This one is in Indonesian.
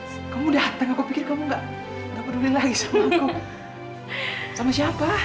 sampai jumpa di video selanjutnya